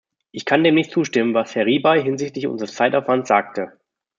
Ich kann dem nicht zustimmen, was Herr Ribeihinsichtlich unseres Zeitaufwands sagte.